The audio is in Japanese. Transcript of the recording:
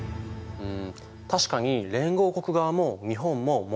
うん。